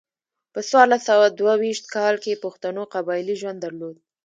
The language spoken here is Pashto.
په څوارلس سوه دوه ویشت کال کې پښتنو قبایلي ژوند درلود.